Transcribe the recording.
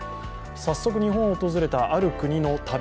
早速日本を訪れたある国の旅